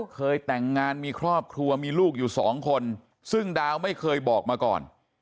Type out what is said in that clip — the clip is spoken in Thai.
เคยแต่งงานมีครอบครัวมีลูกอยู่สองคนซึ่งดาวไม่เคยบอกมาก่อน